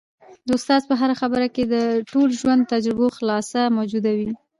د استاد په هره خبره کي د ټول ژوند د تجربو خلاصه موجوده وي.